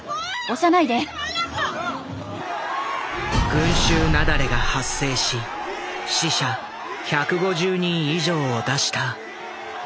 群集雪崩が発生し死者１５０人以上を出したイテウォン事故。